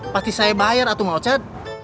pasti saya bayar atau mau cad